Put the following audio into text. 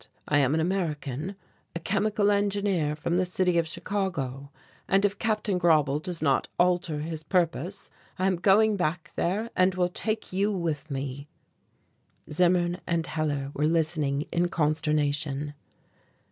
I am an American, a chemical engineer from the city of Chicago, and if Captain Grauble does not alter his purpose, I am going back there and will take you with me." Zimmern and Hellar were listening in consternation.